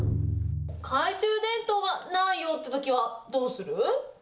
懐中電灯がないよっていうときは、どうする？